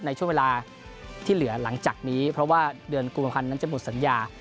ในช่วงเวลาที่เหลือหลังจากนี้เพราะว่าเดือนกุมภาพันธ์นั้นจะหมดสัญญา